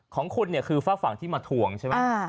ของคุณเนี่ยคือฝากฝั่งที่มาถ่วงใช่ไหม